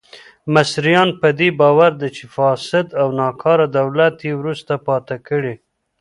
مصریان په دې باور دي چې فاسد او ناکاره دولت یې وروسته پاتې کړي.